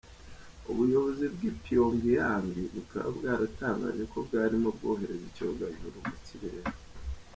Ubuyobozi bw’i Pyongyang bukaba bwaratangaje ko bwarimo bwohereza icyogajuru mu kirere.